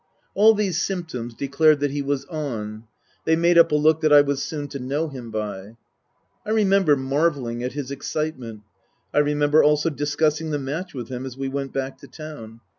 All these symptoms declared that he was "on." They made up a look that I was soon to know him by. I remember marvelling at his excitement. I remember also discussing the match with him as we went back to town.